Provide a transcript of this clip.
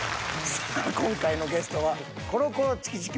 さあ今回のゲストはコロコロチキチキ